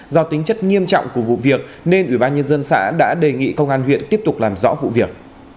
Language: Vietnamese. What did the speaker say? do tính chất nghiêm trọng của vụ việc nên ủy ban nhân dân xã đã đề nghị công an huyện tiếp tục làm rõ vụ việc